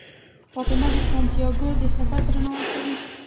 فاطمه د سانتیاګو د سفر درناوی کوي.